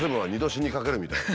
死にかけるみたいな。